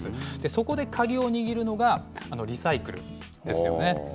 そこで鍵を握るのが、リサイクルですよね。